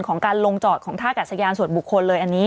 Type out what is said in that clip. ของการลงจอดของท่ากัดสยานส่วนบุคคลเลยอันนี้